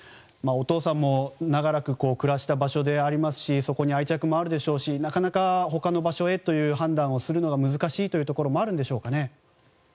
お父さんも長らく暮らした場所でありますしそこに愛着もあるでしょうしなかなか他の場所へという判断をするのは難しいところもあるんでしょうかね。